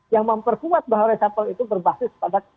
yang memperkuat bahwa reshuffle itu berbasis pada